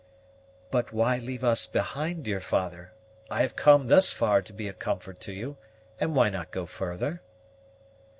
"But why leave us behind, dear father? I have come thus far to be a comfort to you, and why not go farther?"